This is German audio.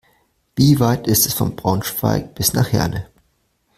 Wie weit ist es von Braunschweig bis nach Herne?